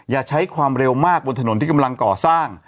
อย่าใช้ความเร็วมากบนถนนที่กำลังก่อสร้าง